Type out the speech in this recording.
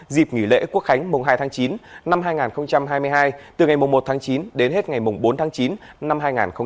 dịp nghỉ lễ quốc khánh mùng hai tháng chín năm hai nghìn hai mươi hai từ ngày một tháng chín đến hết ngày bốn tháng chín năm hai nghìn hai mươi